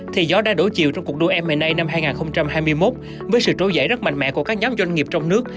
thì gió đã đổ chiều trong cuộc đua m a năm hai nghìn hai mươi một với sự trôi dậy rất mạnh mẽ của các nhóm doanh nghiệp trong nước